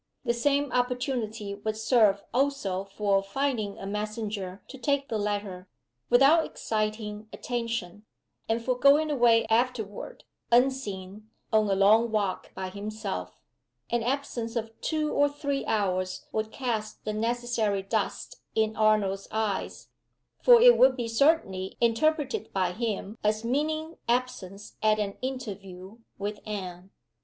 The same opportunity would serve also for finding a messenger to take the letter, without exciting attention, and for going away afterward, unseen, on a long walk by himself. An absence of two or three hours would cast the necessary dust in Arnold's eyes; for it would be certainly interpreted by him as meaning absence at an interview with Anne.